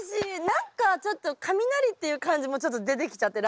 何かちょっと雷っていう漢字もちょっと出てきちゃって。